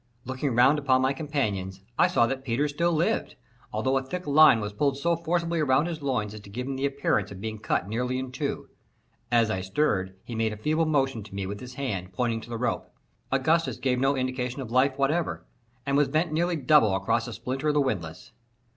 Looking round upon my companions, I saw that Peters still lived, although a thick line was pulled so forcibly around his loins as to give him the appearance of being cut nearly in two; as I stirred, he made a feeble motion to me with his hand, pointing to the rope. Augustus gave no indication of life whatever, and was bent nearly double across a splinter of the windlass.